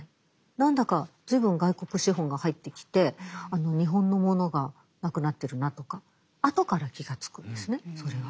何だか随分外国資本が入ってきて日本のものがなくなってるなとか後から気がつくんですねそれは。